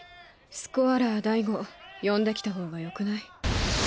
スコアラー大吾呼んできた方がよくない？